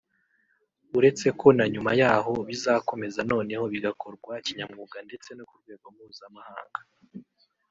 uretse ko na nyuma yaho bizakomeza noneho bigakorwa kinyamwuga ndetse no ku rwego mpuzamahanga